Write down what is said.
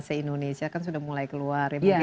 se indonesia kan sudah mulai keluar ya